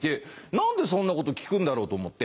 何でそんなこと聞くんだろうと思って。